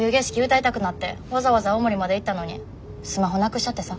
歌いたくなってわざわざ青森まで行ったのにスマホなくしちゃってさ。